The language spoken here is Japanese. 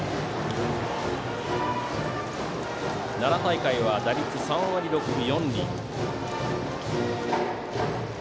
奈良大会は打率３割６分４厘。